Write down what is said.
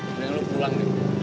mendingan lu pulang deh